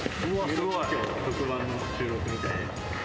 すごい。特番の収録みたいで。